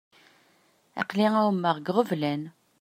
Aql-i εummeɣ deg iɣeblan.